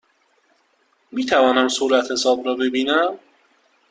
می توانم صورتحساب را ببینم؟